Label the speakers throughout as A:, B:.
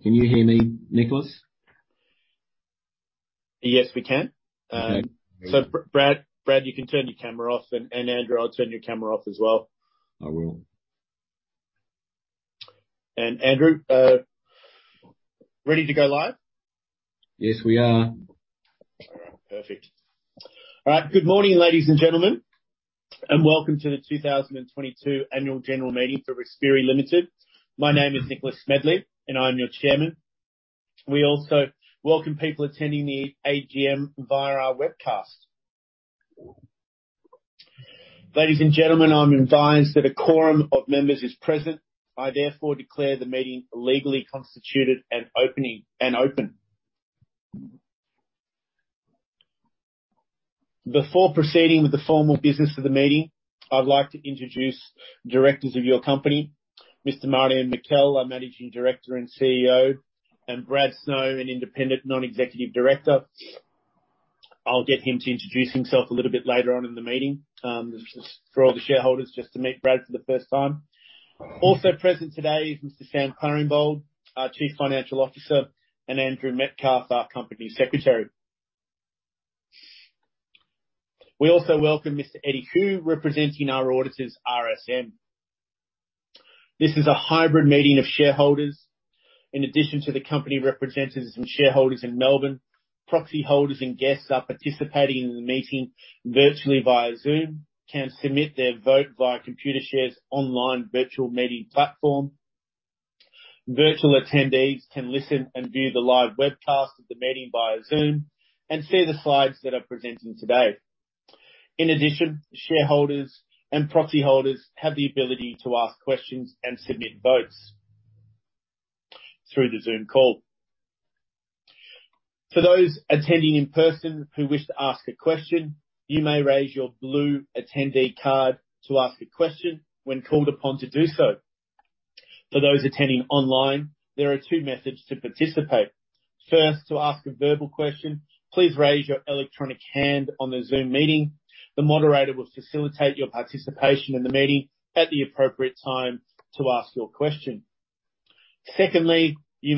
A: All right. Can you hear me, Nicholas?
B: Yes, we can. Okay. Brad, you can turn your camera off, and Andrew, I'll turn your camera off as well.
A: I will.
B: Andrew, ready to go live?
A: Yes, we are.
B: All right. Perfect. All right. Good morning, ladies and gentlemen, and welcome to the 2022 annual general meeting for Respiri Limited. My name is Nicholas Smedley, and I am your chairman. We also welcome people attending the AGM via our webcast. Ladies and gentlemen, I'm advised that a quorum of members is present. I therefore declare the meeting legally constituted and open. Before proceeding with the formal business of the meeting, I'd like to introduce directors of your company. Mr. Marjan Mikel, our Managing Director and CEO, and Brad Snow, an independent non-executive director. I'll get him to introduce himself a little bit later on in the meeting, just for all the shareholders just to meet Brad for the first time. Also present today is Mr. Sam Kleinenbold, our chief financial officer, and Andrew Metcalfe, our company secretary. We also welcome Mr. Eddie Hu, representing our auditors, RSM. This is a hybrid meeting of shareholders. In addition to the company representatives and shareholders in Melbourne, proxy holders and guests are participating in the meeting virtually via Zoom. Can submit their vote via Computershare's online virtual meeting platform. Virtual attendees can listen and view the live webcast of the meeting via Zoom and see the slides that are presenting today. In addition, shareholders and proxy holders have the ability to ask questions and submit votes through the Zoom call. For those attending in person who wish to ask a question, you may raise your blue attendee card to ask a question when called upon to do so. For those attending online, there are two methods to participate. First, to ask a verbal question, please raise your electronic hand on the Zoom meeting. The moderator will facilitate your participation in the meeting at the appropriate time to ask your question. Secondly, you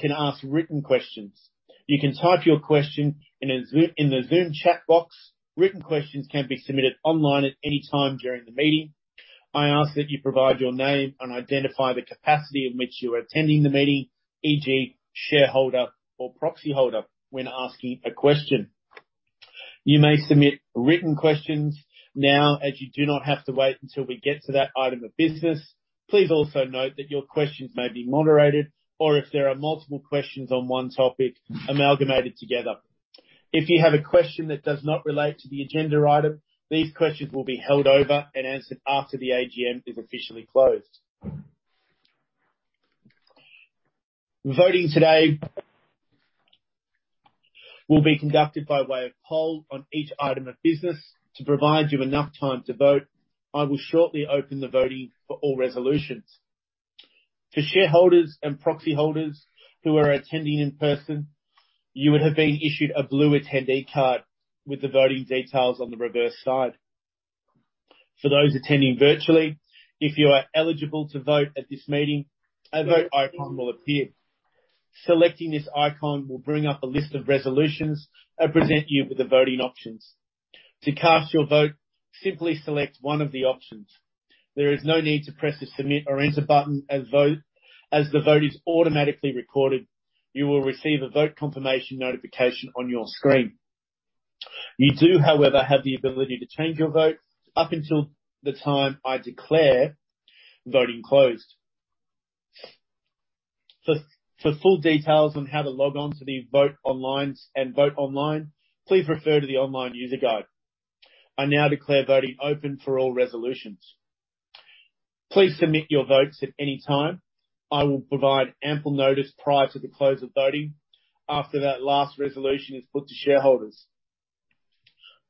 B: can ask written questions. You can type your question in the Zoom chat box. Written questions can be submitted online at any time during the meeting. I ask that you provide your name and identify the capacity in which you are attending the meeting, e.g. shareholder or proxy holder, when asking a question. You may submit written questions now, as you do not have to wait until we get to that item of business. Please also note that your questions may be moderated or, if there are multiple questions on one topic, amalgamated together. If you have a question that does not relate to the agenda item, these questions will be held over and answered after the AGM is officially closed. Voting today will be conducted by way of poll on each item of business. To provide you enough time to vote, I will shortly open the voting for all resolutions. For shareholders and proxy holders who are attending in person, you would have been issued a blue attendee card with the voting details on the reverse side. For those attending virtually, if you are eligible to vote at this meeting, a Vote icon will appear. Selecting this icon will bring up a list of resolutions and present you with the voting options. To cast your vote, simply select one of the options. There is no need to press the Submit or Enter button to vote, as the vote is automatically recorded. You will receive a vote confirmation notification on your screen. You do, however, have the ability to change your vote up until the time I declare voting closed. For full details on how to log on to the vote online, and vote online, please refer to the online user guide. I now declare voting open for all resolutions. Please submit your votes at any time. I will provide ample notice prior to the close of voting after that last resolution is put to shareholders.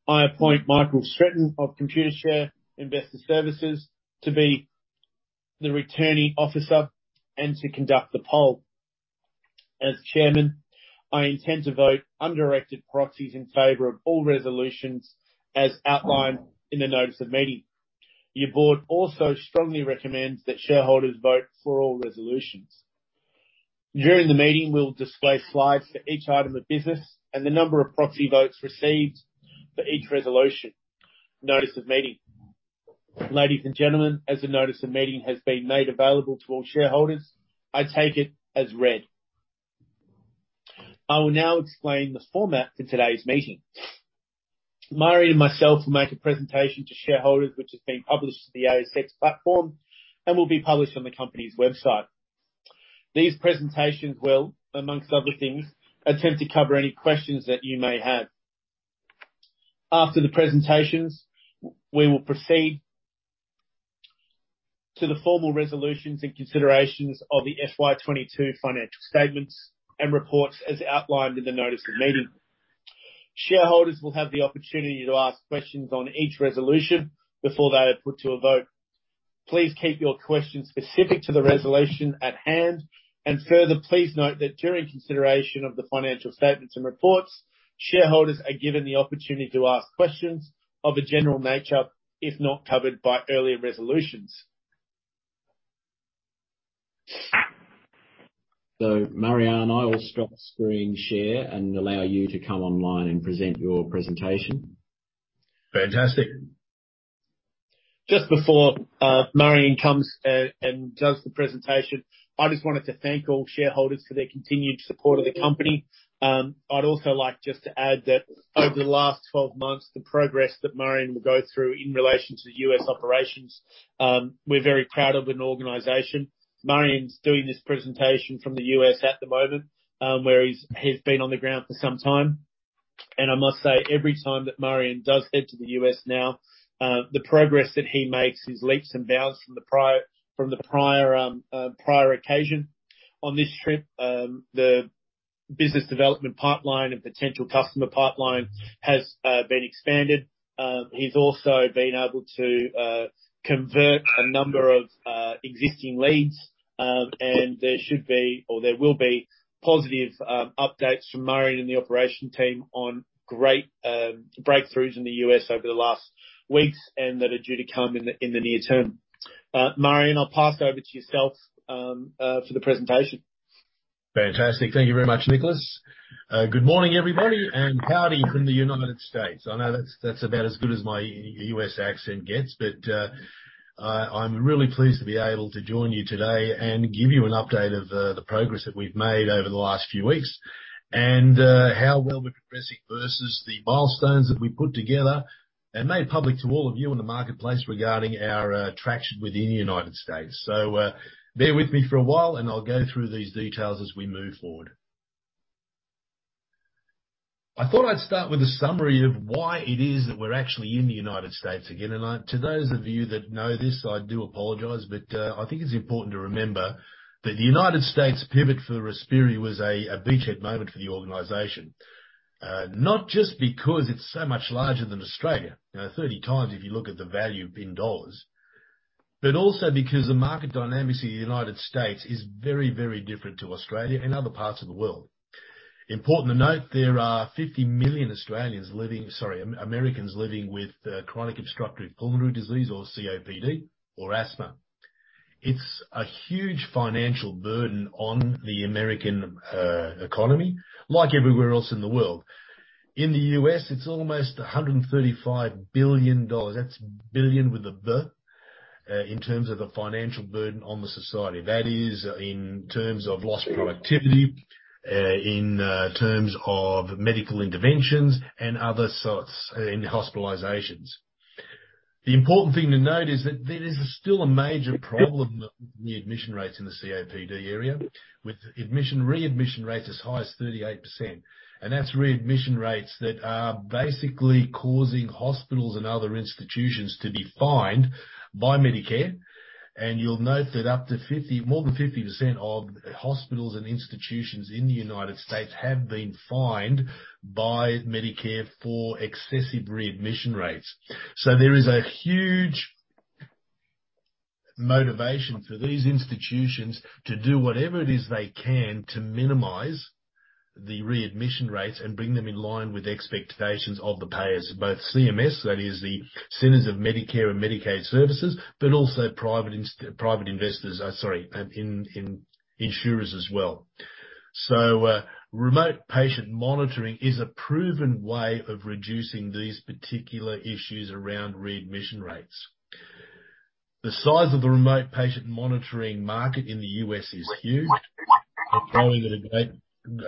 B: I appoint Michael Stretton of Computershare Investor Services to be the returning officer and to conduct the poll. As chairman, I intend to vote undirected proxies in favor of all resolutions, as outlined in the notice of meeting. Your board also strongly recommends that shareholders vote for all resolutions. During the meeting, we'll display slides for each item of business and the number of proxy votes received for each resolution notice of meeting. Ladies and gentlemen, as the notice of meeting has been made available to all shareholders, I take it as read. I will now explain the format for today's meeting. Marjan and myself will make a presentation to shareholders, which has been published to the ASX platform and will be published on the company's website. These presentations will, among other things, attempt to cover any questions that you may have. After the presentations, we will proceed to the formal resolutions and considerations of the FY 2022 financial statements and reports as outlined in the notice of meeting. Shareholders will have the opportunity to ask questions on each resolution before they are put to a vote. Please keep your questions specific to the resolution at hand. Further, please note that during consideration of the financial statements and reports, shareholders are given the opportunity to ask questions of a general nature if not covered by earlier resolutions.
A: Marjan, I will stop screen share and allow you to come online and present your presentation.
C: Fantastic.
B: Just before Marjan comes and does the presentation, I just wanted to thank all shareholders for their continued support of the company. I'd also like just to add that over the last 12 months, the progress that Marjan will go through in relation to the U.S. operations, we're very proud of an organization. Marjan's doing this presentation from the U.S. at the moment, where he's been on the ground for some time. I must say, every time that Marjan does head to the U.S. now, the progress that he makes is leaps and bounds from the prior occasion. On this trip, the business development pipeline and potential customer pipeline has been expanded. He's also been able to convert a number of existing leads. There should be or there will be positive updates from Marjan Mikel and the operations team on great breakthroughs in the U.S. over the last weeks, and that are due to come in the near term. Marjan Mikel, I'll pass over to yourself for the presentation.
C: Fantastic. Thank you very much, Nicholas. Good morning, everybody, and howdy from the United States. I know that's about as good as my U.S. accent gets. I'm really pleased to be able to join you today and give you an update of the progress that we've made over the last few weeks and how well we're progressing versus the milestones that we've put together and made public to all of you in the marketplace regarding our traction within the United States. Bear with me for a while, and I'll go through these details as we move forward. I thought I'd start with a summary of why it is that we're actually in the United States again. To those of you that know this, I do apologize, but I think it's important to remember that the United States pivot for Respiri was a beachhead moment for the organization. Not just because it's so much larger than Australia, you know, 30 times if you look at the value in dollars. Also because the market dynamics in the United States is very, very different to Australia and other parts of the world. Important to note, there are 50 million Americans living with chronic obstructive pulmonary disease, or COPD, or asthma. It's a huge financial burden on the American economy, like everywhere else in the world. In the U.S., it's almost $135 billion. That's billion with a B, in terms of the financial burden on the society. That is in terms of lost productivity, in terms of medical interventions and other sorts, and hospitalizations. The important thing to note is that there is still a major problem with the admission rates in the COPD area, with readmission rates as high as 38%. That's readmission rates that are basically causing hospitals and other institutions to be fined by Medicare. You'll note that more than 50% of hospitals and institutions in the United States have been fined by Medicare for excessive readmission rates. There is a huge motivation for these institutions to do whatever it is they can to minimize the readmission rates and bring them in line with the expectations of the payers. Both CMS, that is the Centers for Medicare & Medicaid Services, but also private investors. In insurers as well. Remote patient monitoring is a proven way of reducing these particular issues around readmission rates. The size of the remote patient monitoring market in the U.S. is huge. It's growing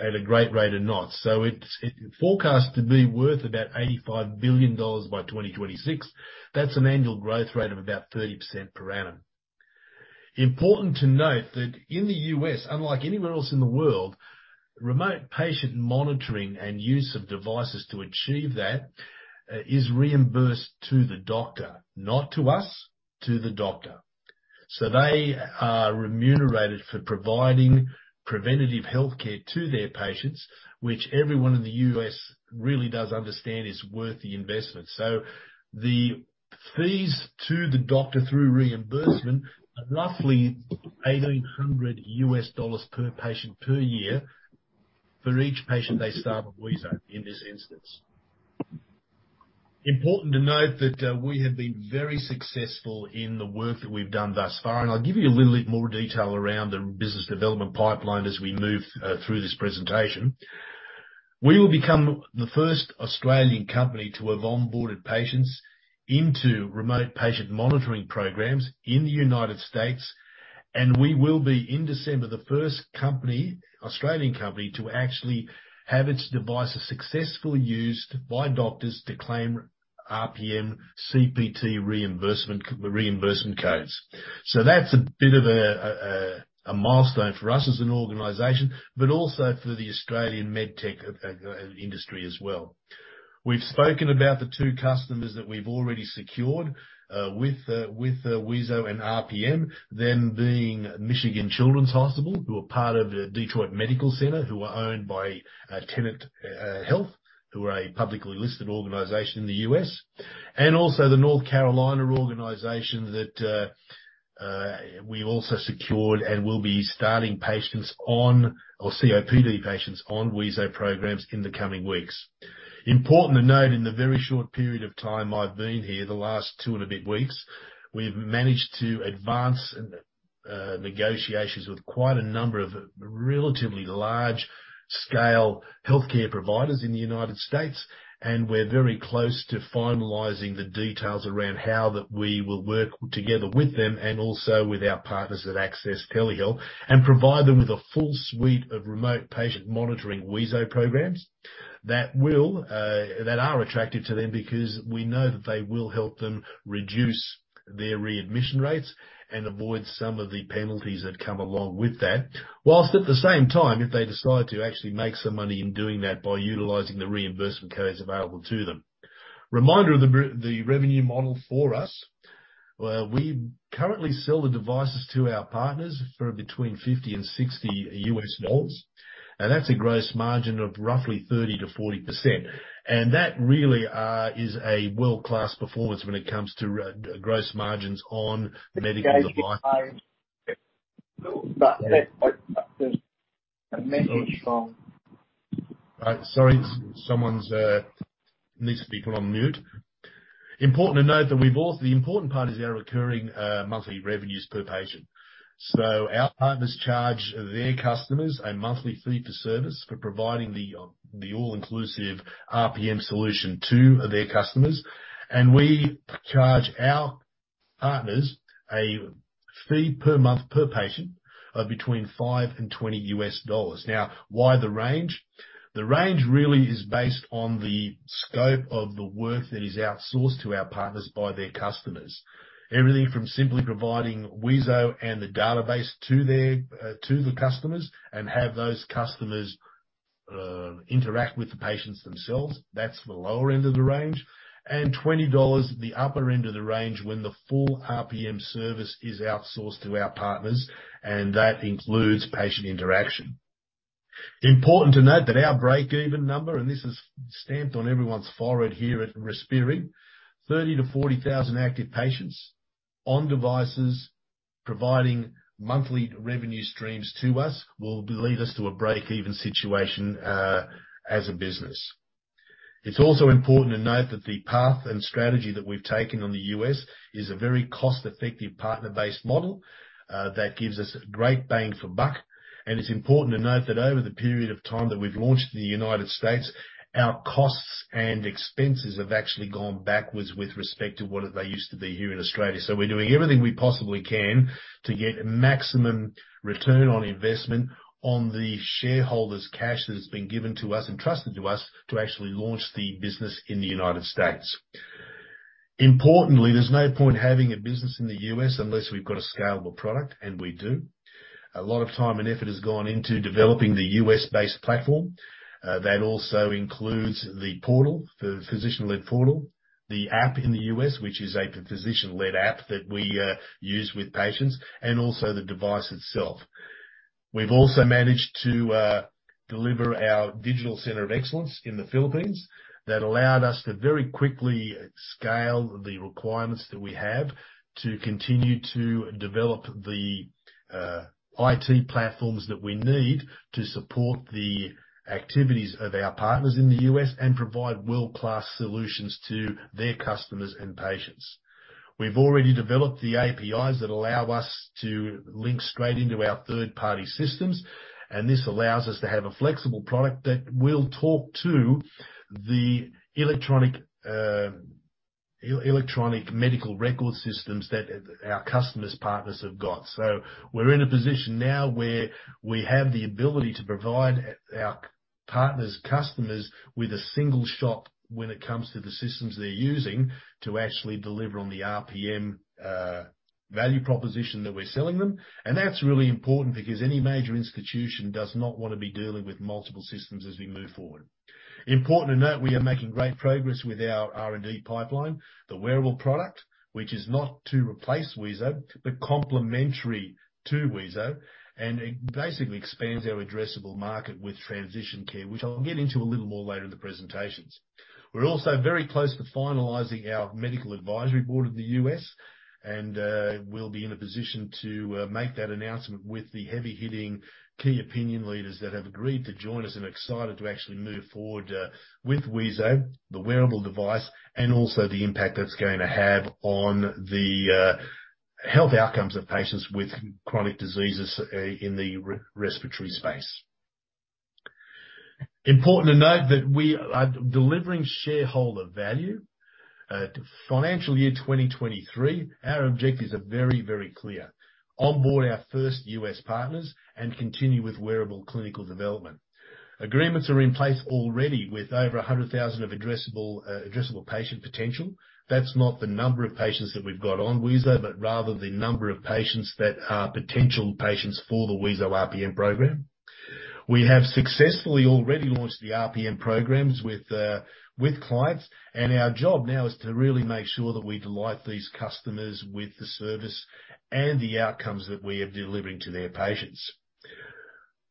C: at a great rate of knots. It's forecast to be worth about $85 billion by 2026. That's an annual growth rate of about 30% per annum. Important to note that in the U.S., unlike anywhere else in the world, remote patient monitoring and use of devices to achieve that is reimbursed to the doctor. Not to us, to the doctor. They are remunerated for providing preventative healthcare to their patients, which everyone in the U.S. really does understand is worth the investment. The fees to the doctor through reimbursement are roughly $1,800 per patient per year for each patient they start with wheezo in this instance. Important to note that, we have been very successful in the work that we've done thus far. I'll give you a little bit more detail around the business development pipeline as we move through this presentation. We will become the first Australian company to have onboarded patients into remote patient monitoring programs in the United States, and we will be, in December, the first company, Australian company, to actually have its devices successfully used by doctors to claim RPM CPT reimbursement codes. That's a bit of a milestone for us as an organization, but also for the Australian med tech industry as well. We've spoken about the two customers that we've already secured, with wheezo and RPM. Michigan Children's Hospital, who are part of the Detroit Medical Center, who are owned by Tenet Healthcare, who are a publicly listed organization in the U.S. Also the North Carolina organization that we also secured and will be starting COPD patients on wheezo programs in the coming weeks. Important to note, in the very short period of time I've been here, the last two and a bit weeks, we've managed to advance negotiations with quite a number of relatively large-scale healthcare providers in the United States, and we're very close to finalizing the details around how we will work together with them and also with our partners at Access Telehealth, and provide them with a full suite of remote patient monitoring wheezo programs that are attractive to them because we know that they will help them reduce their readmission rates and avoid some of the penalties that come along with that. While at the same time, if they decide to actually make some money in doing that by utilizing the reimbursement codes available to them. Reminder of the revenue model for us. Well, we currently sell the devices to our partners for between $50 and $60, and that's a gross margin of roughly 30%-40%. That really is a world-class performance when it comes to gross margins on medical devices. Sorry, someone's needs to be put on mute. Important to note that. The important part is our recurring monthly revenues per patient. Our partners charge their customers a monthly fee for service for providing the all-inclusive RPM solution to their customers, and we charge our partners a fee per month per patient of between $5 and $20. Now, why the range? The range really is based on the scope of the work that is outsourced to our partners by their customers. Everything from simply providing wheezo and the database to the customers and have those customers interact with the patients themselves. That's the lower end of the range. $20, the upper end of the range when the full RPM service is outsourced to our partners, and that includes patient interaction. Important to note that our break-even number, and this is stamped on everyone's forehead here at Respiri, 30,000-40,000 active patients on devices providing monthly revenue streams to us will lead us to a break-even situation as a business. It's also important to note that the path and strategy that we've taken on the U.S. is a very cost-effective partner-based model that gives us great bang for buck. It's important to note that over the period of time that we've launched in the United States, our costs and expenses have actually gone backwards with respect to what they used to be here in Australia. We're doing everything we possibly can to get maximum return on investment on the shareholders' cash that has been given to us and trusted to us to actually launch the business in the United States. Importantly, there's no point having a business in the U.S. unless we've got a scalable product, and we do. A lot of time and effort has gone into developing the U.S.-based platform. That also includes the portal, the physician-led portal, the app in the U.S., which is a physician-led app that we use with patients, and also the device itself. We've also managed to deliver our digital center of excellence in the Philippines. That allowed us to very quickly scale the requirements that we have to continue to develop the IT platforms that we need to support the activities of our partners in the U.S. and provide world-class solutions to their customers and patients. We've already developed the APIs that allow us to link straight into our third-party systems, and this allows us to have a flexible product that will talk to the electronic medical record systems that our customers' partners have got. We're in a position now where we have the ability to provide our partners' customers with a single shop when it comes to the systems they're using to actually deliver on the RPM value proposition that we're selling them. That's really important because any major institution does not wanna be dealing with multiple systems as we move forward. Important to note, we are making great progress with our R&D pipeline. The wearable product, which is not to replace wheezo, but complementary to wheezo, and it basically expands our addressable market with transition care, which I'll get into a little more later in the presentations. We're also very close to finalizing our medical advisory board in the U.S., and we'll be in a position to make that announcement with the heavy-hitting key opinion leaders that have agreed to join us. I'm excited to actually move forward with wheezo, the wearable device, and also the impact that's going to have on the health outcomes of patients with chronic diseases in the respiratory space. Important to note that we are delivering shareholder value. Financial year 2023, our objectives are very, very clear. Onboard our first U.S. partners and continue with wearable clinical development. Agreements are in place already with over 100,000 of addressable patient potential. That's not the number of patients that we've got on wheezo, but rather the number of patients that are potential patients for the wheezo RPM program. We have successfully already launched the RPM programs with clients, and our job now is to really make sure that we delight these customers with the service and the outcomes that we are delivering to their patients.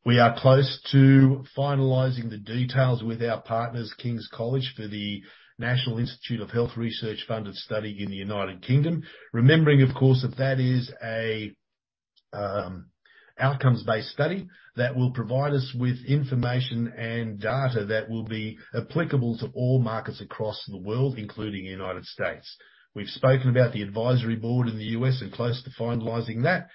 C: We are close to finalizing the details with our partners, King's College London, for the National Institute for Health and Care Research funded study in the United Kingdom. Remembering, of course, that that is a outcomes-based study that will provide us with information and data that will be applicable to all markets across the world, including United States. We've spoken about the advisory board in the U.S. and close to finalizing that,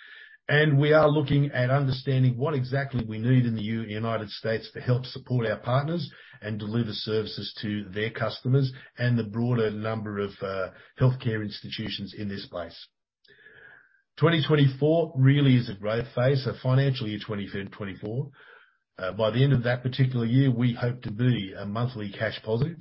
C: and we are looking at understanding what exactly we need in the United States to help support our partners and deliver services to their customers and the broader number of healthcare institutions in this space. 2024 really is a growth phase. Financial year 2024, by the end of that particular year, we hope to be monthly cash positive,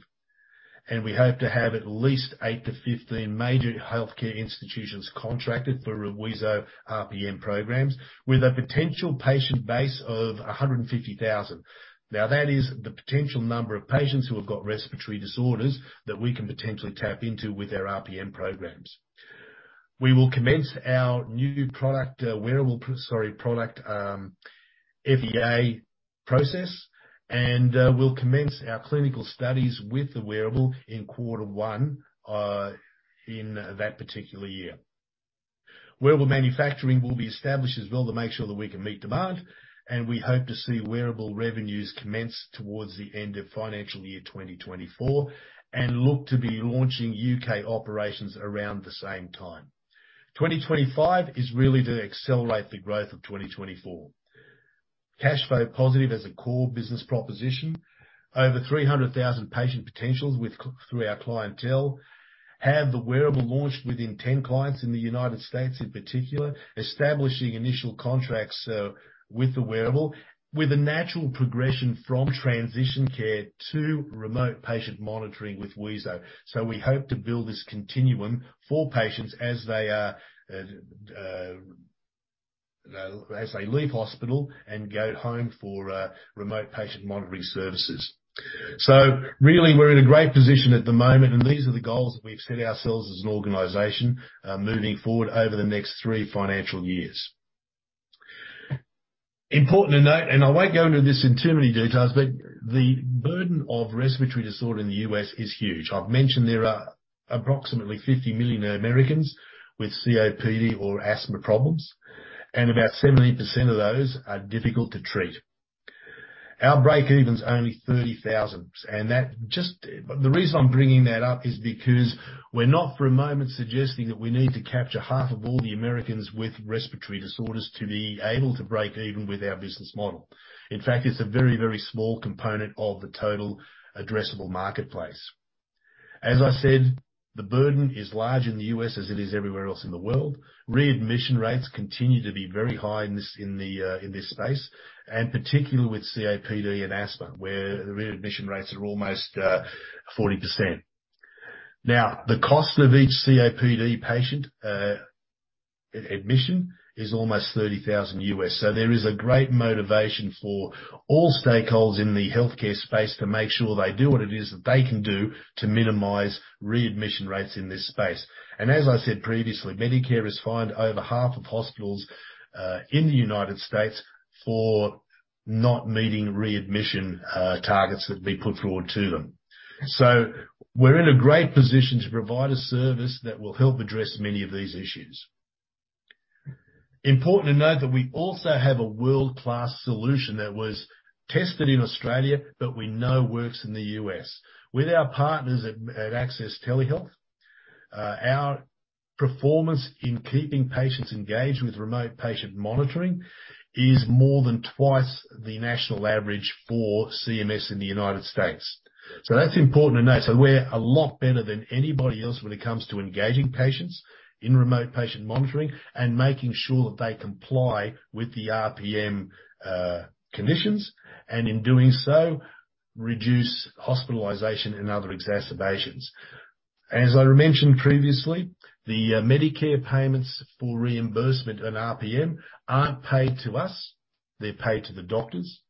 C: and we hope to have at least 8-15 major healthcare institutions contracted for our wheezo RPM programs with a potential patient base of 150,000. Now, that is the potential number of patients who have got respiratory disorders that we can potentially tap into with our RPM programs. We will commence our new wearable product FDA process, and we'll commence our clinical studies with the wearable in quarter one in that particular year. Wearable manufacturing will be established as well to make sure that we can meet demand, and we hope to see wearable revenues commence towards the end of financial year 2024 and look to be launching UK operations around the same time. 2025 is really to accelerate the growth of 2024. Cash flow positive as a core business proposition. Over 300,000 patient potentials with through our clientele. Have the wearable launched within 10 clients in the United States in particular, establishing initial contracts with the wearable with a natural progression from transition care to remote patient monitoring with wheezo. We hope to build this continuum for patients as they leave hospital and go home for remote patient monitoring services. Really, we're in a great position at the moment, and these are the goals that we've set ourselves as an organization, moving forward over the next 3 financial years. Important to note, and I won't go into this in too many details, but the burden of respiratory disorder in the U.S. is huge. I've mentioned there are approximately 50 million Americans with COPD or asthma problems, and about 17% of those are difficult to treat. Our breakeven's only 30,000, and that just. The reason I'm bringing that up is because we're not for a moment suggesting that we need to capture half of all the Americans with respiratory disorders to be able to break even with our business model. In fact, it's a very, very small component of the total addressable marketplace. As I said, the burden is large in the U.S. as it is everywhere else in the world. Readmission rates continue to be very high in this space, and particularly with COPD and asthma, where readmission rates are almost 40%. Now, the cost of each COPD patient admission is almost $30,000. So there is a great motivation for all stakeholders in the healthcare space to make sure they do what it is that they can do to minimize readmission rates in this space. As I said previously, Medicare has fined over half of hospitals in the United States for not meeting readmission targets that have been put forward to them. We're in a great position to provide a service that will help address many of these issues. Important to note that we also have a world-class solution that was tested in Australia, but we know works in the U.S.. With our partners at Access Telehealth, our performance in keeping patients engaged with remote patient monitoring is more than twice the national average for CMS in the United States. That's important to note. We're a lot better than anybody else when it comes to engaging patients in remote patient monitoring and making sure that they comply with the RPM conditions, and in doing so, reduce hospitalization and other exacerbations. As I mentioned previously, the Medicare payments for reimbursement and RPM aren't paid to us, they're paid to the doctors.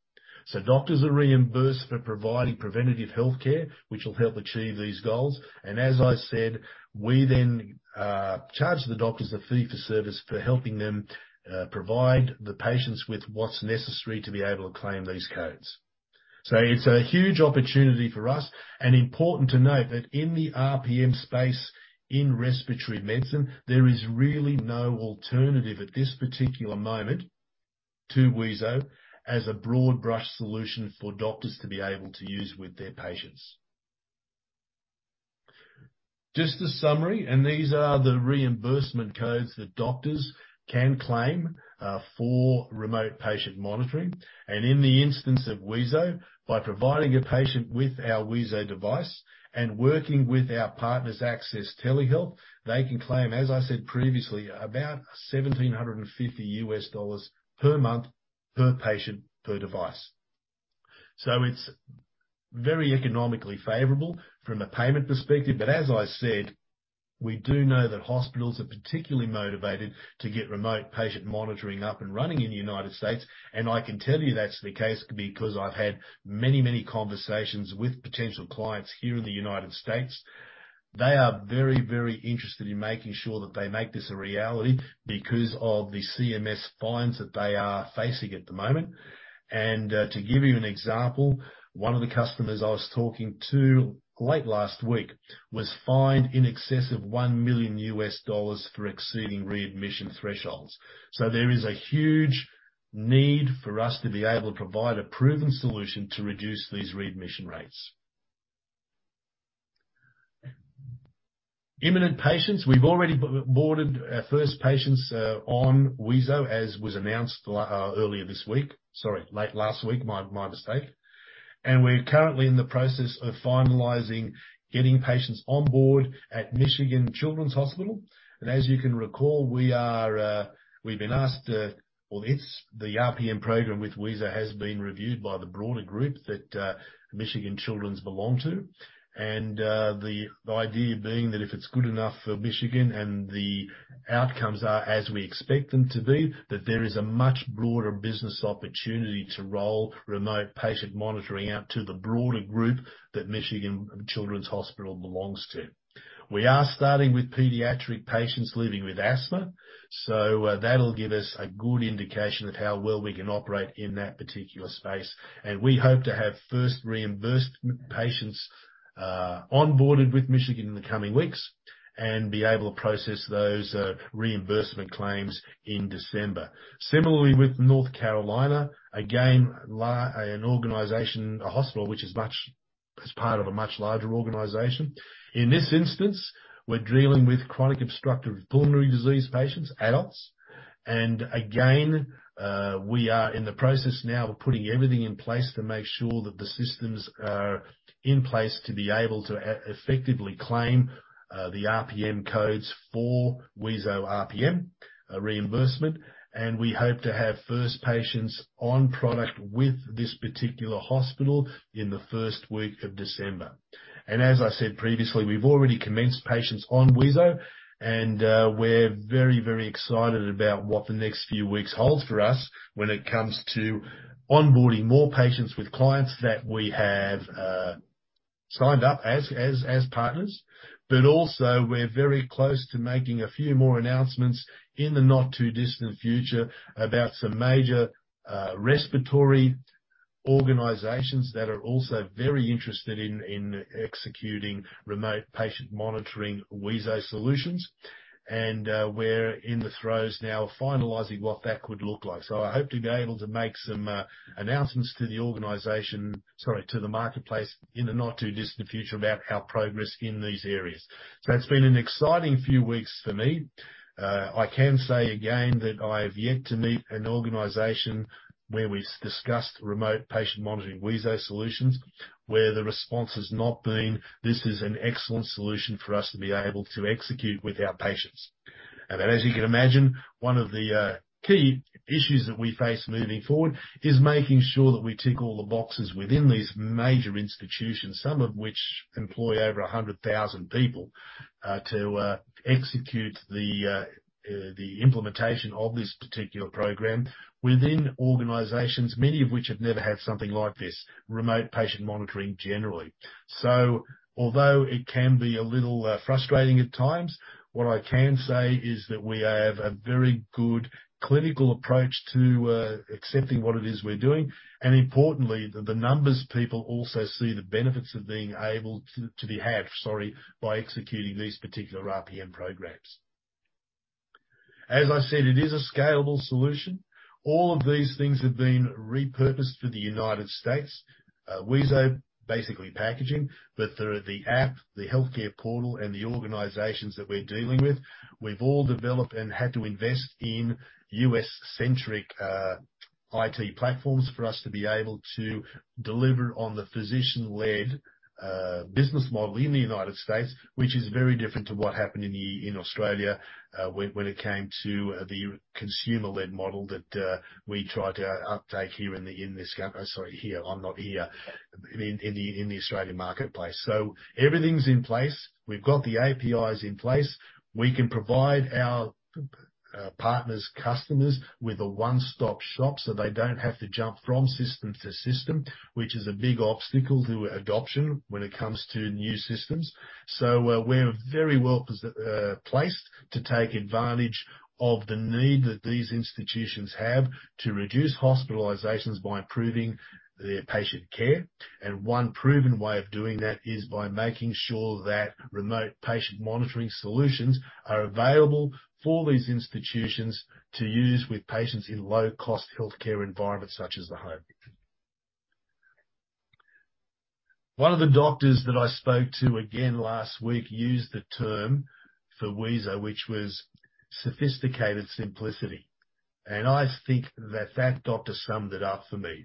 C: Doctors are reimbursed for providing preventative healthcare, which will help achieve these goals. As I said, we then charge the doctors a fee for service for helping them provide the patients with what's necessary to be able to claim these codes. It's a huge opportunity for us. Important to note that in the RPM space in respiratory medicine, there is really no alternative at this particular moment to Wheezo as a broad brush solution for doctors to be able to use with their patients. Just a summary, and these are the reimbursement codes that doctors can claim for remote patient monitoring. In the instance of Wheezo, by providing a patient with our Wheezo device and working with our partners, Access Telehealth, they can claim, as I said previously, about $1,750 per month, per patient, per device. It's very economically favorable from a payment perspective. As I said, we do know that hospitals are particularly motivated to get remote patient monitoring up and running in the United States. I can tell you that's the case because I've had many, many conversations with potential clients here in the United States. They are very, very interested in making sure that they make this a reality because of the CMS fines that they are facing at the moment. To give you an example, one of the customers I was talking to late last week was fined in excess of $1 million for exceeding readmission thresholds. There is a huge need for us to be able to provide a proven solution to reduce these readmission rates. Inpatients, we've already boarded our first patients on wheezo, as was announced earlier this week. Sorry, late last week, my mistake. We're currently in the process of finalizing getting patients on board at Michigan Children's Hospital. As you can recall, we've been asked, or this, the RPM program with wheezo has been reviewed by the broader Michigan Children's Hospital belongs to. The idea being that if it's good enough for Michigan and the outcomes are as we expect them to be, that there is a much broader business opportunity to roll Remote Patient Monitoring out to the broader Michigan Children's Hospital belongs to. We are starting with pediatric patients living with asthma, so that'll give us a good indication of how well we can operate in that particular space. We hope to have first reimbursed patients onboarded with Michigan in the coming weeks and be able to process those reimbursement claims in December. Similarly, with North Carolina, again, an organization, a hospital which is part of a much larger organization. In this instance, we're dealing with chronic obstructive pulmonary disease patients, adults. We are in the process now of putting everything in place to make sure that the systems are in place to be able to effectively claim the RPM codes for wheezo RPM reimbursement. We hope to have first patients on product with this particular hospital in the first week of December. As I said previously, we've already commenced patients on wheezo, and we're very, very excited about what the next few weeks holds for us when it comes to onboarding more patients with clients that we have signed up as partners. Also we're very close to making a few more announcements in the not-too-distant future about some major respiratory organizations that are also very interested in executing remote patient monitoring wheezo solutions. We're in the throes now of finalizing what that could look like. I hope to be able to make some announcements to the organization, sorry, to the marketplace in the not-too-distant future about our progress in these areas. It's been an exciting few weeks for me. I can say again that I have yet to meet an organization where we discussed Remote Patient Monitoring wheezo solutions, where the response has not been, "This is an excellent solution for us to be able to execute with our patients." As you can imagine, one of the key issues that we face moving forward is making sure that we tick all the boxes within these major institutions, some of which employ over 100,000 people, to execute the implementation of this particular program within organizations, many of which have never had something like this, Remote Patient Monitoring, generally. Although it can be a little frustrating at times, what I can say is that we have a very good clinical approach to accepting what it is we're doing, and importantly, that the numbers people also see the benefits of being able to be had, sorry, by executing these particular RPM programs. As I said, it is a scalable solution. All of these things have been repurposed for the United States. Wheezo, basically packaging, but the app, the healthcare portal and the organizations that we're dealing with, we've all developed and had to invest in U.S.-centric IT platforms for us to be able to deliver on the physician-led business model in the United States, which is very different to what happened in Australia when it came to the consumer-led model that we tried to uptake in the Australian marketplace. Everything's in place. We've got the APIs in place. We can provide our partners, customers with a one-stop shop, so they don't have to jump from system to system, which is a big obstacle to adoption when it comes to new systems. We're very well placed to take advantage of the need that these institutions have to reduce hospitalizations by improving their patient care. One proven way of doing that is by making sure that remote patient monitoring solutions are available for these institutions to use with patients in low-cost healthcare environments such as the home. One of the doctors that I spoke to again last week used the term for wheezo, which was sophisticated simplicity. I think that doctor summed it up for me.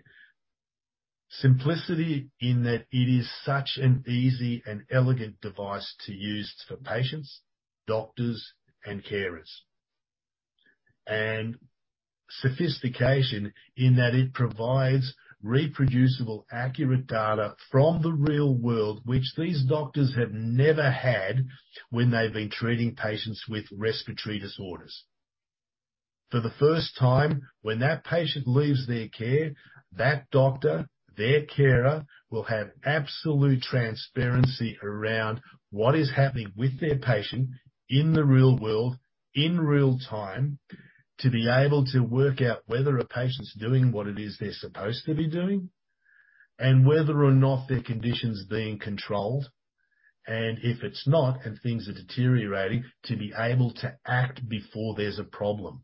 C: Simplicity, in that it is such an easy and elegant device to use for patients, doctors, and carers. Sophistication in that it provides reproducible, accurate data from the real world, which these doctors have never had when they've been treating patients with respiratory disorders. For the first time, when that patient leaves their care, that doctor, their carer, will have absolute transparency around what is happening with their patient in the real world, in real time, to be able to work out whether a patient's doing what it is they're supposed to be doing. Whether or not their condition's being controlled, and if it's not, and things are deteriorating, to be able to act before there's a problem.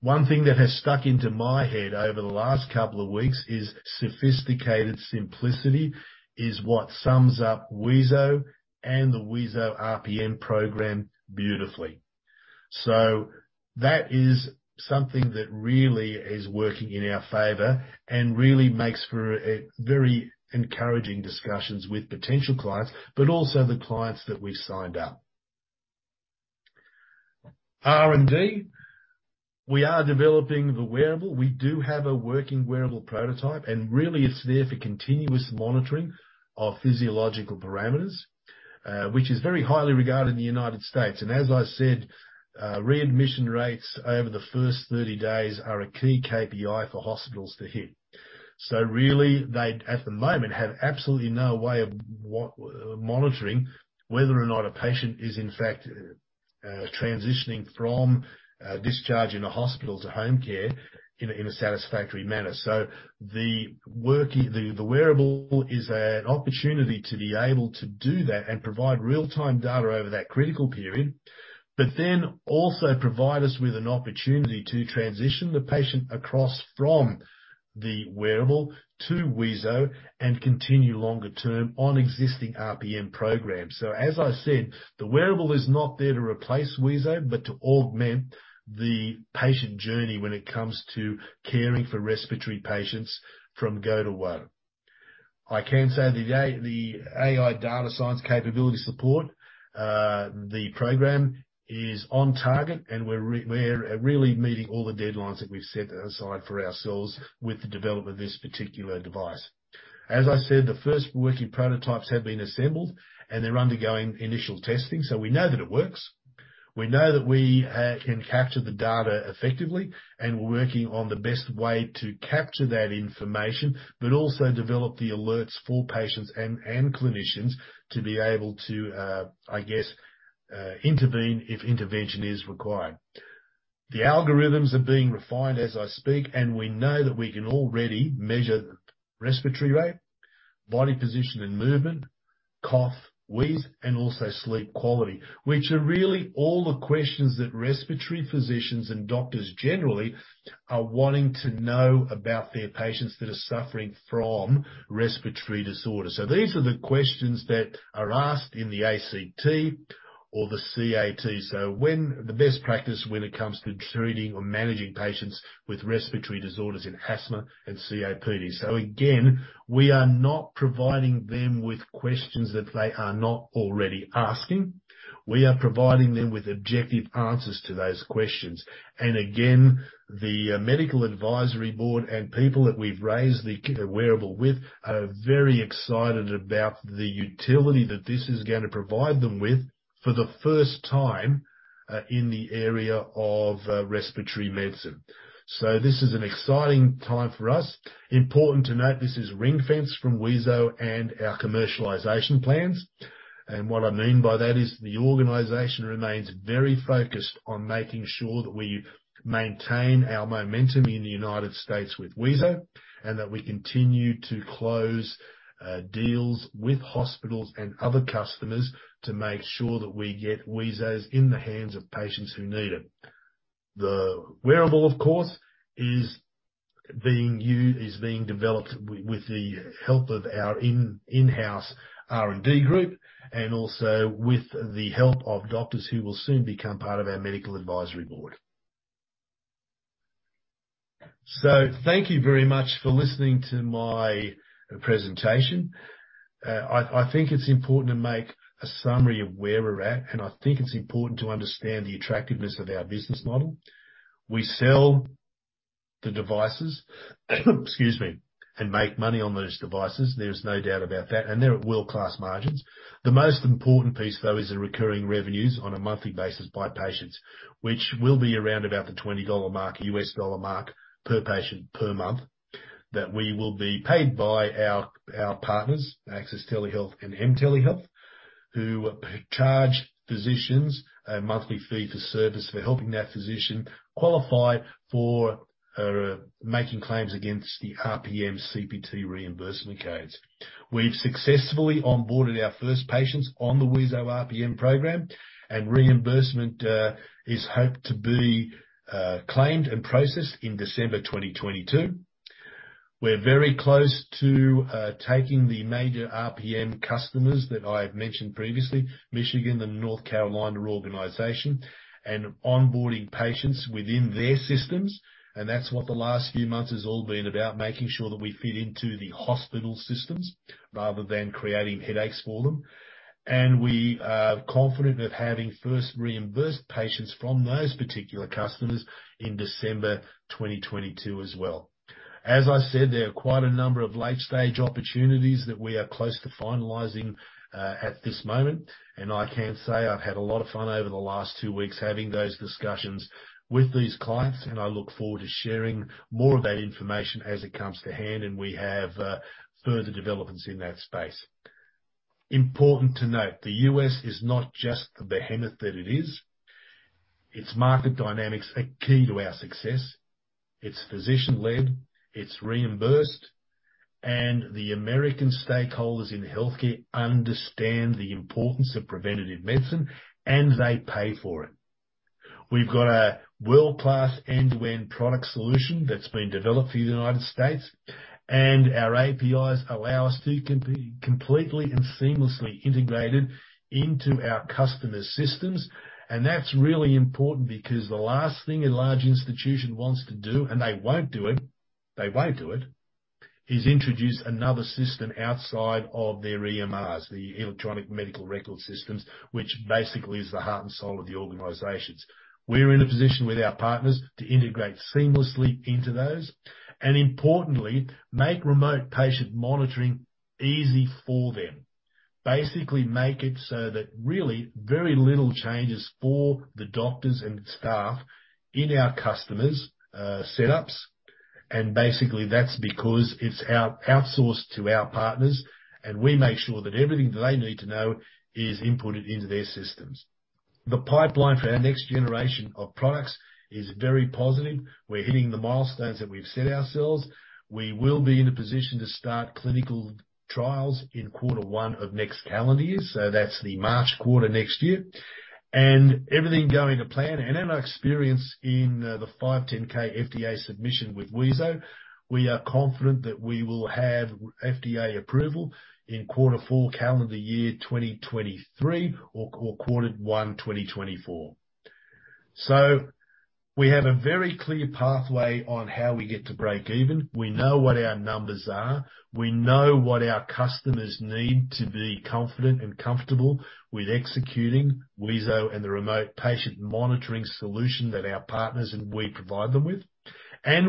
C: One thing that has stuck into my head over the last couple of weeks is sophisticated simplicity is what sums up wheezo and the wheezo RPM program beautifully. That is something that really is working in our favor and really makes for a very encouraging discussions with potential clients, but also the clients that we've signed up. R&D, we are developing the wearable. We do have a working wearable prototype, and really it's there for continuous monitoring of physiological parameters, which is very highly regarded in the United States. As I said, readmission rates over the first 30 days are a key KPI for hospitals to hit. Really, they, at the moment, have absolutely no way of monitoring whether or not a patient is, in fact, transitioning from discharge in a hospital to home care in a satisfactory manner. The wearable is an opportunity to be able to do that and provide real-time data over that critical period, but then also provide us with an opportunity to transition the patient across from the wearable to wheezo and continue longer term on existing RPM programs. As I said, the wearable is not there to replace wheezo, but to augment the patient journey when it comes to caring for respiratory patients from go to whoa. I can say the AI data science capability support the program is on target, and we're really meeting all the deadlines that we've set aside for ourselves with the development of this particular device. As I said, the first working prototypes have been assembled and they're undergoing initial testing, so we know that it works. We know that we can capture the data effectively, and we're working on the best way to capture that information, but also develop the alerts for patients and clinicians to be able to I guess intervene if intervention is required. The algorithms are being refined as I speak, and we know that we can already measure respiratory rate, body position and movement, cough, wheeze, and also sleep quality, which are really all the questions that respiratory physicians and doctors generally are wanting to know about their patients that are suffering from respiratory disorders. These are the questions that are asked in the ACT or the CAT. The best practice when it comes to treating or managing patients with respiratory disorders in asthma and COPD. Again, we are not providing them with questions that they are not already asking. We are providing them with objective answers to those questions. The medical advisory board and people that we've raised the wearable with are very excited about the utility that this is gonna provide them with for the first time in the area of respiratory medicine. This is an exciting time for us. Important to note, this is ring-fenced from wheezo and our commercialization plans. What I mean by that is the organization remains very focused on making sure that we maintain our momentum in the United States with wheezo, and that we continue to close deals with hospitals and other customers to make sure that we get wheezos in the hands of patients who need them. The wearable, of course, is being developed with the help of our in-house R&D group, and also with the help of doctors who will soon become part of our medical advisory board. Thank you very much for listening to my presentation. I think it's important to make a summary of where we're at, and I think it's important to understand the attractiveness of our business model. We sell the devices, excuse me, and make money on those devices. There's no doubt about that. They're at world-class margins. The most important piece, though, is the recurring revenues on a monthly basis by patients, which will be around about the $20 mark, U.S. dollar mark, per patient, per month, that we will be paid by our partners, Access Telehealth and M Telehealth, who charge physicians a monthly fee for service for helping that physician qualify for or making claims against the RPM CPT reimbursement codes. We've successfully onboarded our first patients on the wheezo RPM program, and reimbursement is hoped to be claimed and processed in December 2022. We're very close to taking the major RPM customers that I've mentioned previously, Michigan and North Carolina organization, and onboarding patients within their systems. That's what the last few months has all been about, making sure that we fit into the hospital systems rather than creating headaches for them. We are confident of having first reimbursed patients from those particular customers in December 2022 as well. As I said, there are quite a number of late-stage opportunities that we are close to finalizing, at this moment, and I can say I've had a lot of fun over the last two weeks having those discussions with these clients, and I look forward to sharing more of that information as it comes to hand and we have, further developments in that space. Important to note, the U.S. is not just the behemoth that it is. Its market dynamics are key to our success. It's physician-led, it's reimbursed, and the American stakeholders in healthcare understand the importance of preventative medicine, and they pay for it. We've got a world-class end-to-end product solution that's been developed for the United States, and our APIs allow us to be completely and seamlessly integrated into our customers' systems. That's really important because the last thing a large institution wants to do, and they won't do it, is introduce another system outside of their EMRs, the electronic medical record systems, which basically is the heart and soul of the organizations. We're in a position with our partners to integrate seamlessly into those and importantly, make remote patient monitoring easy for them. Basically make it so that really very little changes for the doctors and staff in our customers' setups. Basically that's because it's outsourced to our partners, and we make sure that everything they need to know is inputted into their systems. The pipeline for our next generation of products is very positive. We're hitting the milestones that we've set ourselves. We will be in a position to start clinical trials in quarter one of next calendar year, so that's the March quarter next year. Everything going to plan. In our experience in the 510(k) FDA submission with wheezo, we are confident that we will have FDA approval in quarter four, calendar year 2023 or quarter one 2024. We have a very clear pathway on how we get to break even. We know what our numbers are. We know what our customers need to be confident and comfortable with executing wheezo and the remote patient monitoring solution that our partners and we provide them with.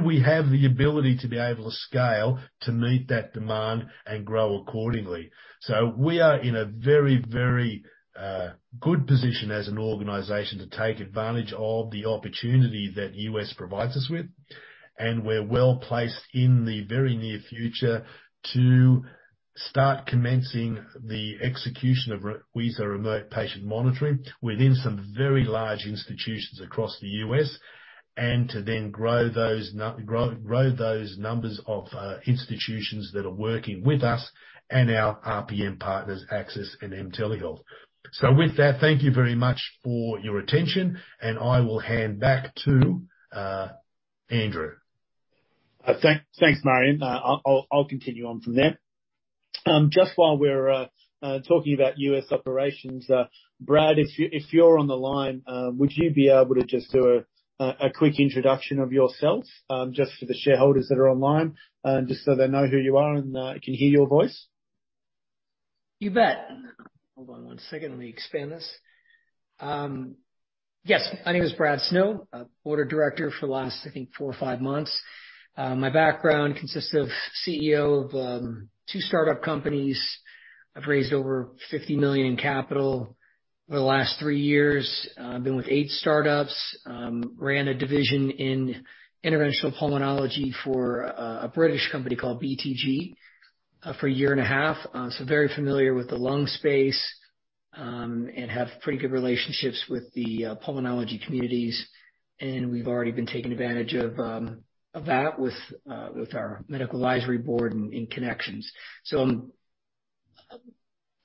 C: We have the ability to be able to scale to meet that demand and grow accordingly. We are in a very good position as an organization to take advantage of the opportunity that U.S. provides us with, and we're well-placed in the very near future to start commencing the execution of wheezo remote patient monitoring within some very large institutions across the U.S., and to then grow those numbers of institutions that are working with us and our RPM partners, Access Telehealth. With that, thank you very much for your attention, and I will hand back to Andrew.
B: Thanks, Marjan. I'll continue on from there. Just while we're talking about U.S. operations, Brad, if you're on the line, would you be able to just do a quick introduction of yourself, just for the shareholders that are online, just so they know who you are and can hear your voice?
D: Hold on one second. Let me expand this. Yes. My name is Brad Snow, board of director for the last, I think, four or five months. My background consists of CEO of two startup companies. I've raised over $50 million in capital over the last three years. Been with eight startups. Ran a division in interventional pulmonology for a British company called BTG for a year and a half. Very familiar with the lung space and have pretty good relationships with the pulmonology communities. We've already been taking advantage of that with our medical advisory board and connections. I'm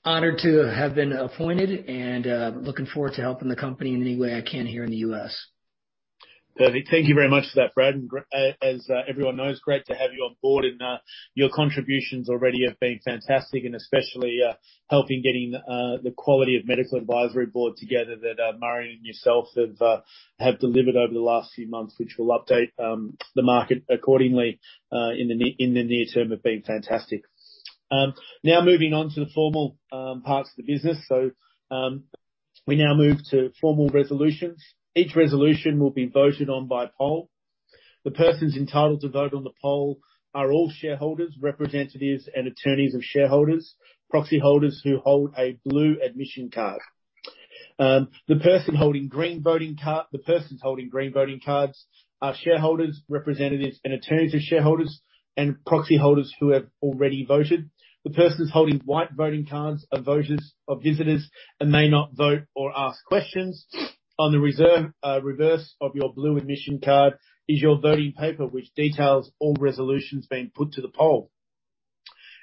D: honored to have been appointed and looking forward to helping the company in any way I can here in the U.S.
B: Perfect. Thank you very much for that, Brad. As everyone knows, great to have you on board, and your contributions already have been fantastic and especially helping getting the quality of medical advisory board together that Marjan Mikel and yourself have delivered over the last few months, which we'll update the market accordingly in the near term have been fantastic. Now moving on to the formal parts of the business. We now move to formal resolutions. Each resolution will be voted on by poll. The persons entitled to vote on the poll are all shareholders, representatives, and attorneys of shareholders, proxy holders who hold a blue admission card. The persons holding green voting cards are shareholders, representatives, and attorneys of shareholders and proxy holders who have already voted. The persons holding white voting cards are visitors and may not vote or ask questions. On the reverse of your blue admission card is your voting paper which details all resolutions being put to the poll.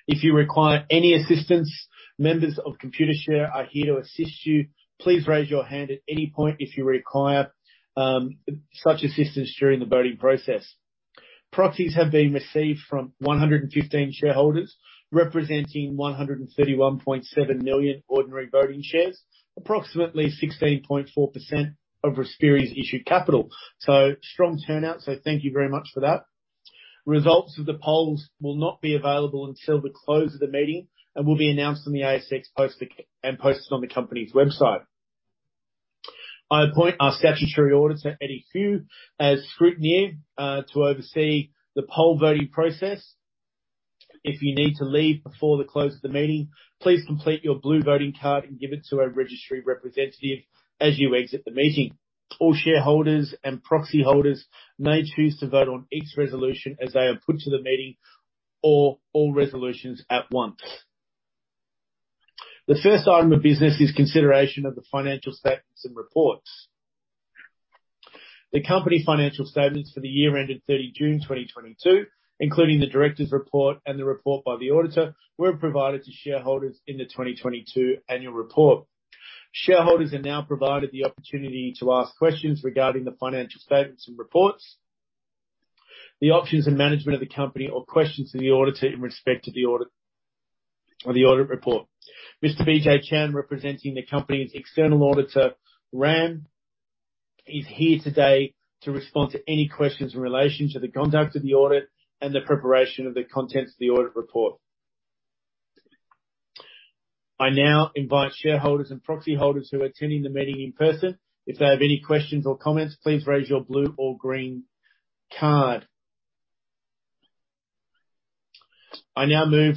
B: If you require any assistance, members of Computershare are here to assist you. Please raise your hand at any point if you require such assistance during the voting process. Proxies have been received from 115 shareholders, representing 131.7 million ordinary voting shares, approximately 16.4% of Respiri's issued capital. Strong turnout. Thank you very much for that. Results of the polls will not be available until the close of the meeting and will be announced on the ASX post and posted on the company's website. I appoint our statutory auditor, Eddie Hu, as scrutineer to oversee the poll voting process. If you need to leave before the close of the meeting, please complete your blue voting card and give it to a registry representative as you exit the meeting. All shareholders and proxy holders may choose to vote on each resolution as they are put to the meeting or all resolutions at once. The first item of business is consideration of the financial statements and reports. The company financial statements for the year ended 30 June 2022, including the director's report and the report by the auditor, were provided to shareholders in the 2022 annual report. Shareholders are now provided the opportunity to ask questions regarding the financial statements and reports, the options and management of the company, or questions to the auditor in respect to the audit, or the audit report. Mr. BJ Chan, representing the company's external auditor, RSM, is here today to respond to any questions in relation to the conduct of the audit and the preparation of the contents of the audit report. I now invite shareholders and proxy holders who are attending the meeting in person, if they have any questions or comments, please raise your blue or green card. I now move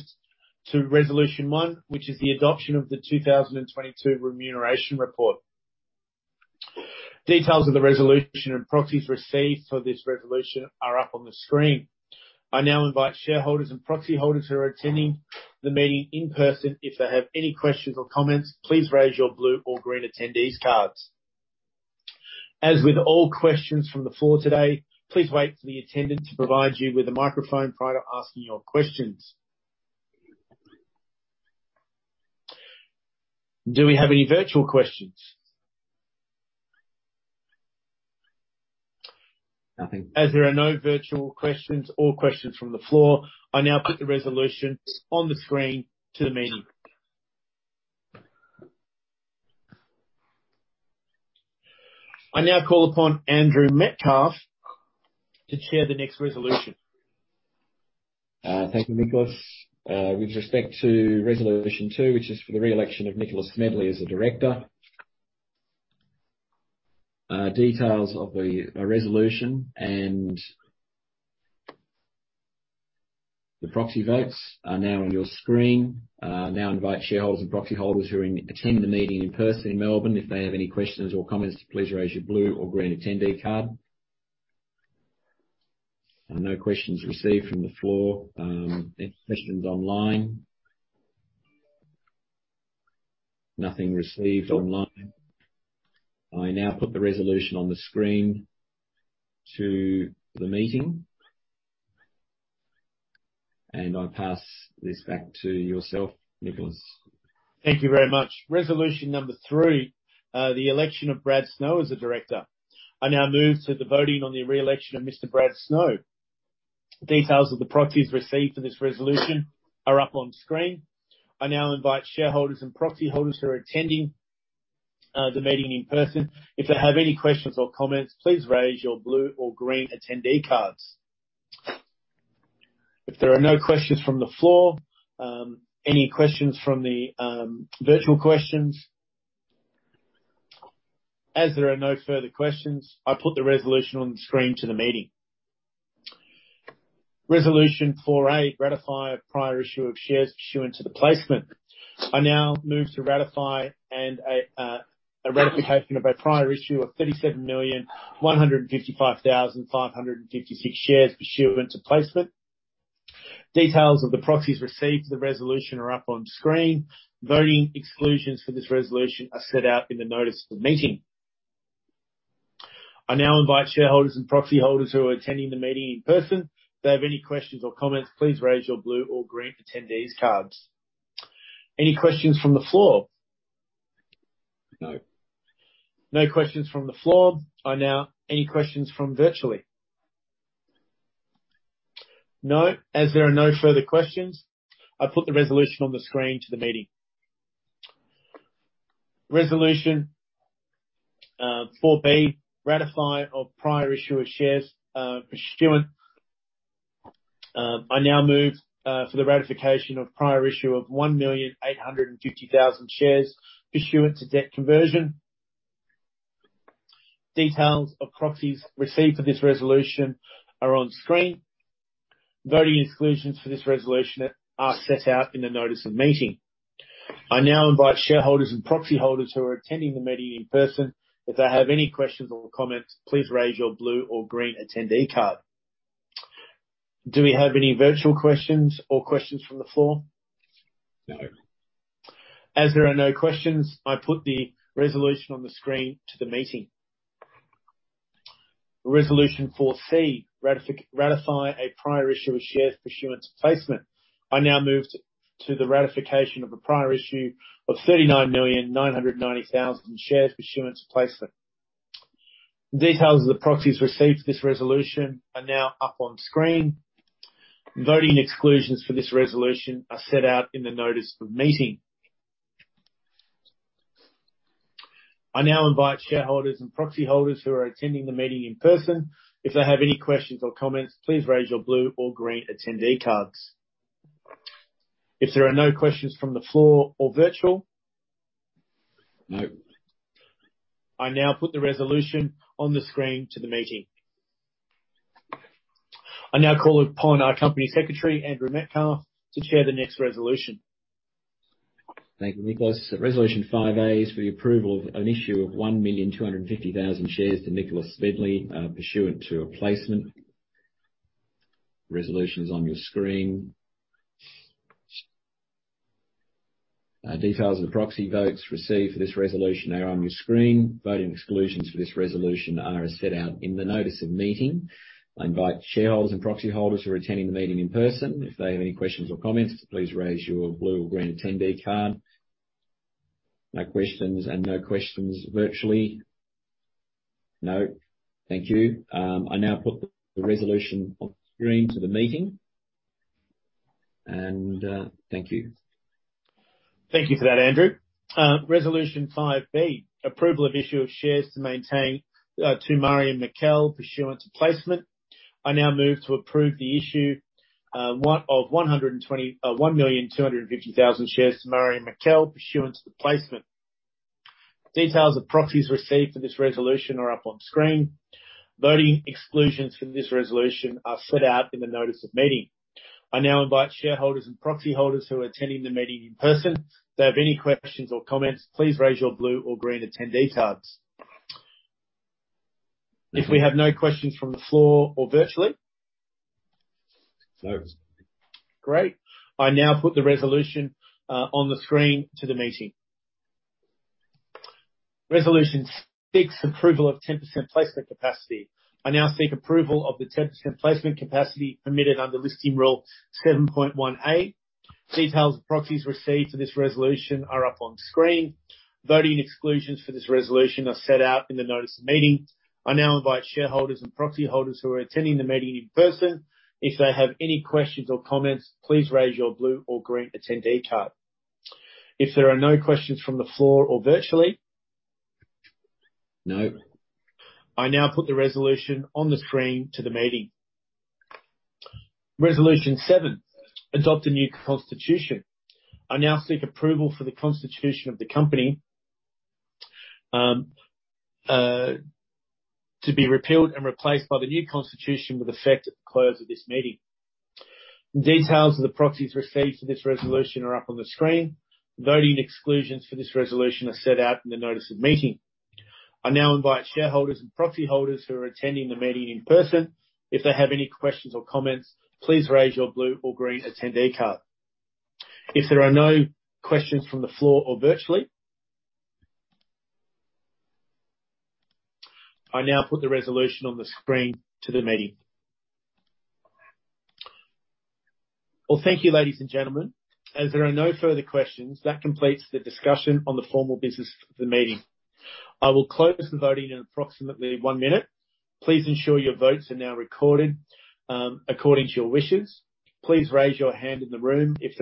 B: to resolution one, which is the adoption of the 2022 remuneration report. Details of the resolution and proxies received for this resolution are up on the screen. I now invite shareholders and proxy holders who are attending the meeting in person, if they have any questions or comments, please raise your blue or green attendees cards. As with all questions from the floor today, please wait for the attendant to provide you with a microphone prior to asking your questions. Do we have any virtual questions?
A: Nothing.
B: As there are no virtual questions or questions from the floor, I now put the resolution on the screen to the meeting. I now call upon Andrew Metcalfe to chair the next resolution.
A: Thank you, Nicholas. With respect to resolution two, which is for the re-election of Nicholas Smedley as a director. Details of the resolution and the proxy votes are now on your screen. Now invite shareholders and proxy holders who are attending the meeting in person in Melbourne if they have any questions or comments, please raise your blue or green attendee card. No questions received from the floor. Any questions online? Nothing received online. I now put the resolution on the screen to the meeting. I pass this back to yourself, Nicholas.
B: Thank you very much. Resolution number 3, the election of Brad Snow as a director. I now move to the voting on the re-election of Mr. Brad Snow. Details of the proxies received for this resolution are up on screen. I now invite shareholders and proxy holders who are attending the meeting in person, if they have any questions or comments, please raise your blue or green attendee cards. If there are no questions from the floor, any questions from the virtual questions? As there are no further questions, I put the resolution on the screen to the meeting. Resolution 4A, ratify a prior issue of shares pursuant to the placement. I now move to a ratification of a prior issue of 37,155,556 shares pursuant to placement. Details of the proxies received for the resolution are up on screen. Voting exclusions for this resolution are set out in the notice of the meeting. I now invite shareholders and proxy holders who are attending the meeting in person, if they have any questions or comments, please raise your blue or green attendee cards. Any questions from the floor?
A: No.
B: No questions from the floor. Any questions from virtually? No. As there are no further questions, I put the resolution on the screen to the meeting. Resolution 4B, ratification of prior issue of shares pursuant. I now move for the ratification of prior issue of 1,850,000 shares pursuant to debt conversion. Details of proxies received for this resolution are on screen. Voting exclusions for this resolution are set out in the notice of meeting. I now invite shareholders and proxy holders who are attending the meeting in person, if they have any questions or comments, please raise your blue or green attendee card. Do we have any virtual questions or questions from the floor?
A: No.
B: As there are no questions, I put the resolution on the screen to the meeting. Resolution 4C, ratify a prior issue of shares pursuant to placement. I now move to the ratification of a prior issue of 39,990,000 shares pursuant to placement. Details of the proxies received for this resolution are now up on screen. Voting exclusions for this resolution are set out in the notice of meeting. I now invite shareholders and proxy holders who are attending the meeting in person, if they have any questions or comments, please raise your blue or green attendee cards. If there are no questions from the floor or virtual?
A: No.
B: I now put the resolution on the screen to the meeting. I now call upon our Company Secretary, Andrew Metcalfe, to chair the next resolution.
A: Thank you, Nicholas. Resolution 5A is for the approval of an issue of 1,250,000 shares to Nicholas Smedley pursuant to a placement. Resolution is on your screen. Details of the proxy votes received for this resolution are on your screen. Voting exclusions for this resolution are as set out in the notice of meeting. I invite shareholders and proxy holders who are attending the meeting in person, if they have any questions or comments, please raise your blue or green attendee card. No questions and no questions virtually? No. Thank you. I now put the resolution on screen to the meeting, and thank you.
B: Thank you for that, Andrew. Resolution 5B, approval of issue of shares to Marjan Mikel pursuant to placement. I now move to approve the issue of 1,250,000 shares to Marjan Mikel pursuant to the placement. Details of proxies received for this resolution are up on screen. Voting exclusions for this resolution are set out in the notice of meeting. I now invite shareholders and proxy holders who are attending the meeting in person, if they have any questions or comments, please raise your blue or green attendee cards. If we have no questions from the floor or virtually?
A: No.
B: Great. I now put the resolution on the screen to the meeting. Resolution 6, approval of 10% placement capacity. I now seek approval of the 10% placement capacity permitted under Listing Rule 7.1A. Details of proxies received for this resolution are up on screen. Voting exclusions for this resolution are set out in the notice of meeting. I now invite shareholders and proxy holders who are attending the meeting in person, if they have any questions or comments, please raise your blue or green attendee card. If there are no questions from the floor or virtually?
A: No.
B: I now put the resolution on the screen to the meeting. Resolution seven, adopt a new constitution. I now seek approval for the constitution of the company to be repealed and replaced by the new constitution with effect at the close of this meeting. Details of the proxies received for this resolution are up on the screen. Voting exclusions for this resolution are set out in the notice of meeting. I now invite shareholders and proxy holders who are attending the meeting in person, if they have any questions or comments, please raise your blue or green attendee card. If there are no questions from the floor or virtually? I now put the resolution on the screen to the meeting. Well, thank you ladies and gentlemen. As there are no further questions, that completes the discussion on the formal business of the meeting. I will close the voting in approximately one minute. Please ensure your votes are now recorded according to your wishes. Please raise your hand in the room if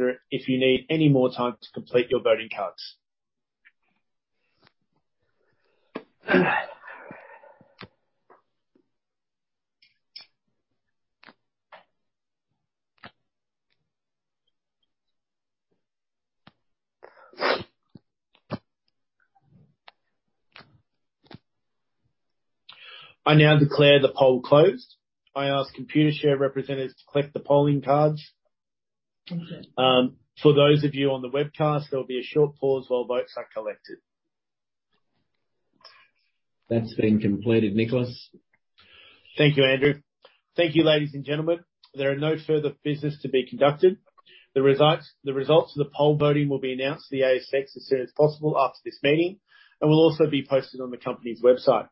B: you need any more time to complete your voting cards. I now declare the poll closed. I ask Computershare representatives to collect the polling cards. For those of you on the webcast, there'll be a short pause while votes are collected.
A: That's been completed, Nicholas.
B: Thank you, Andrew. Thank you, ladies and gentlemen. There are no further business to be conducted. The results of the poll voting will be announced to the ASX as soon as possible after this meeting, and will also be posted on the company's website.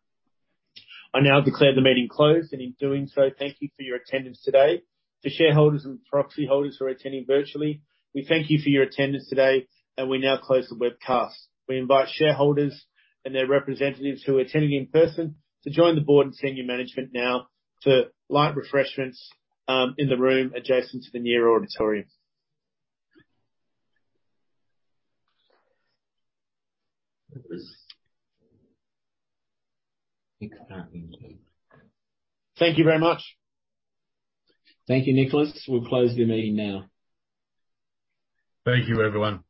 B: I now declare the meeting closed and in doing so, thank you for your attendance today. To shareholders and proxy holders who are attending virtually, we thank you for your attendance today, and we now close the webcast. We invite shareholders and their representatives who are attending in person to join the board and senior management now to light refreshments in the room adjacent to the near auditorium. Thank you very much.
A: Thank you, Nicholas. We'll close the meeting now. Thank you, everyone.